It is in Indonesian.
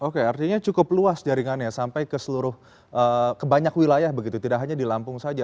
oke artinya cukup luas jaringannya sampai ke seluruh ke banyak wilayah begitu tidak hanya di lampung saja